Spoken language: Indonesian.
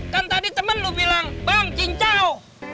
kan tadi temen lu bilang bang cincow